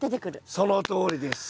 そのとおりです。